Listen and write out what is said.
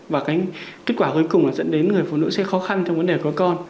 và cái kết quả cuối cùng là dẫn đến người phụ nữ sẽ khó khăn trong vấn đề có con